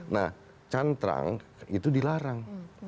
nah cantrang itu dilarang